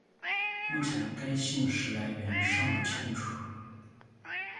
目前该姓氏来源尚不清楚。